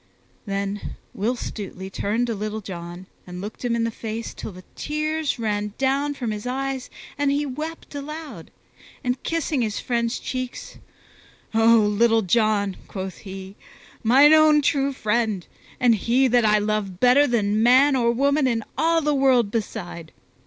Then Will Stutely turned to Little John and looked him in the face till the tears ran down from his eyes and he wept aloud; and kissing his friend's cheeks, "O Little John!" quoth he, "mine own true friend, and he that I love better than man or woman in all the world beside!